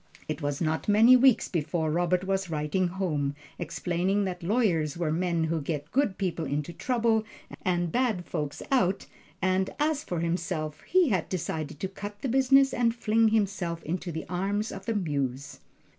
It was not many weeks before Robert was writing home, explaining that lawyers were men who get good people into trouble, and bad folks out; and as for himself he had decided to cut the business and fling himself into the arms of the Muse.